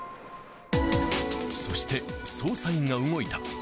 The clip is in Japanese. そして、捜査員が動いた。